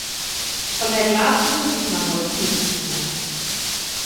Von der Glashütte sieht man heute nichts mehr.